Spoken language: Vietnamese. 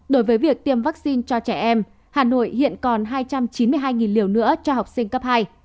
đối với việc tiêm vaccine cho trẻ em hà nội hiện còn hai trăm chín mươi hai liều nữa cho học sinh cấp hai